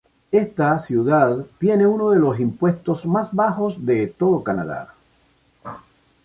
Esta ciudad tiene uno de los impuestos más bajos de todo Canadá.